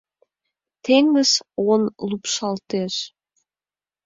Теҥыз оҥ лупшалтеш —